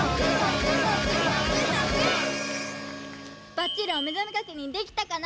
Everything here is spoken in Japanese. ばっちりおめざめ確認できたかな？